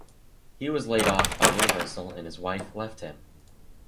He was laid off by Universal and his wife left him.